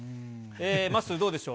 まっすー、どうでしょう。